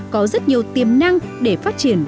có rất nhiều tiềm năng để phát triển